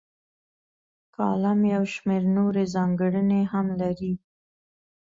کالم یو شمیر نورې ځانګړنې هم لري.